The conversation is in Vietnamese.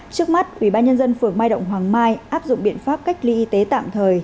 trước mắt ubnd phường mai động hoàng mai áp dụng biện pháp cách ly y tế tạm thời